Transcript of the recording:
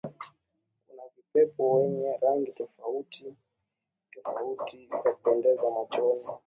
Kuna vipepeo wenye rangi tofauti tofauti za kupendeza machoni